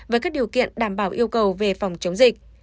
với các điều kiện đảm bảo yêu cầu về phòng chống dịch